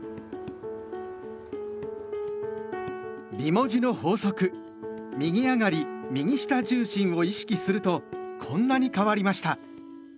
美文字の法則「右上がり右下重心」を意識するとこんなに変わりました。